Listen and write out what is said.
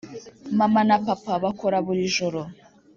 mama na papa bakora buri joro.